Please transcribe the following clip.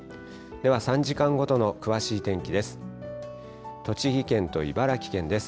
では、３時間ごとの詳しい天気です。